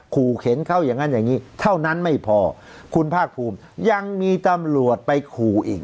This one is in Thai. ขู่เข็นเขาอย่างนั้นอย่างนี้เท่านั้นไม่พอคุณภาคภูมิยังมีตำรวจไปขู่อีก